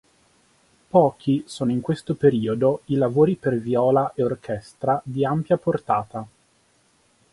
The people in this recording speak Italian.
Pochi sono in questo periodo i lavori per viola e orchestra di ampia portata.